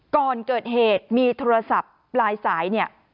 ก่อนเกิดเหตุมีโทรศัพท์ปลายสายเนี่ย